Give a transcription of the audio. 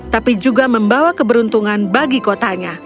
tapi juga membawa keberuntungan bagi kotanya